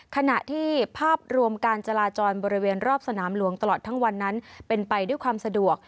ขณะที่ภาพรวมการจราจรบริเวณรอบสนามหลวงตลอดทั้งวันนั้นเป็นไปด้วยความสะดวก